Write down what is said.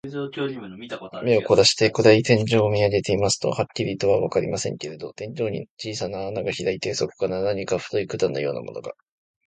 目をこらして、暗い天井を見あげていますと、はっきりとはわかりませんけれど、天井に小さな穴がひらいて、そこから何か太い管のようなものが、